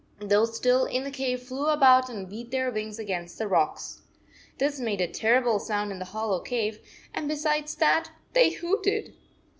Those still in the cave flew about and beat their wings against the rocks. This made a terrible sound in the hollow cave, and besides that, they hooted.